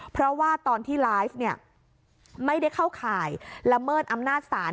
เพราะว่าตอนที่ไลฟ์เนี่ยไม่ได้เข้าข่ายละเมิดอำนาจศาล